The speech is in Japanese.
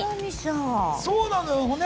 そうなのよね